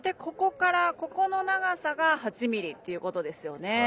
ここの長さが８ｍｍということですよね。